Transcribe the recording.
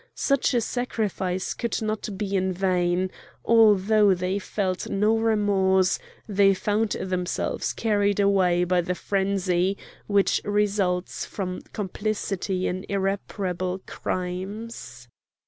Such a sacrifice could not be in vain; although they felt no remorse they found themselves carried away by the frenzy which results from complicity in irreparable crimes.